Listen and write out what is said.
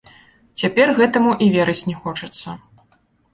Цяпер гэтаму і верыць не хочацца.